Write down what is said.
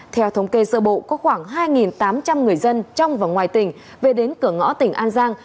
theo thống kê sơ bộ có khoảng hai tám trăm linh người dân trong và ngoài tỉnh về đến cửa ngõ tỉnh an giang